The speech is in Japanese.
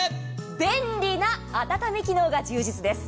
便利な温め機能が充実です。